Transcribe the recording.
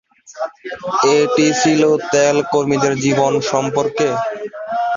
এটি ছিল তেল কর্মীদের জীবন সম্পর্কে।